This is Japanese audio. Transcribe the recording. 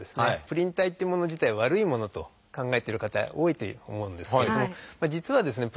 プリン体っていうもの自体悪いものと考えてる方多いと思うんですけれども実はですね